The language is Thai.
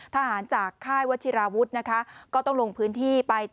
ทหารจากค่ายวัชิราวุฒินะคะก็ต้องลงพื้นที่ไป